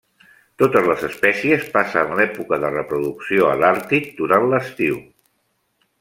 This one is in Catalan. Totes les espècies passen l'època de reproducció a l'Àrtic durant l'estiu.